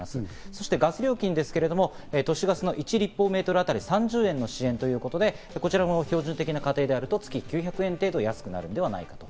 そしてガス料金は都市ガス１立方メートルあたり、３０円の支援ということで、標準的な家庭であると、月９００円程度安くなるんではないかと。